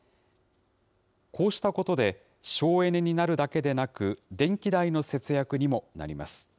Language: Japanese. こうしたことで、省エネになるだけでなく、電気代の節約にもなります。